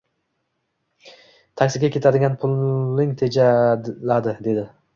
Taksiga ketadigan puling tejaladi, dedi